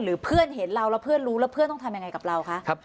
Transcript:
เพื่อนเห็นเราแล้วเพื่อนรู้แล้วเพื่อนต้องทำยังไงกับเราคะ